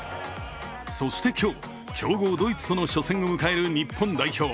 そして今日、強豪・ドイツとの初戦を迎える日本代表。